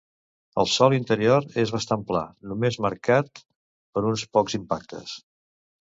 El sòl interior és bastant pla, només marcat per uns pocs impactes.